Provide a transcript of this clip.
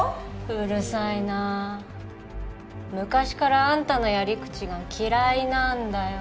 うるさいな昔からあんたのやり口が嫌いなんだよ